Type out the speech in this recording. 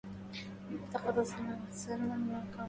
التقط سمكة سلمون مرقط كبيرة.